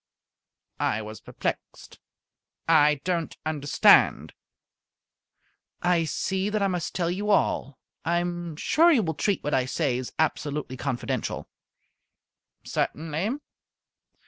I was perplexed. "I don't understand." "I see that I must tell you all. I am sure you will treat what I say as absolutely confidential." "Certainly."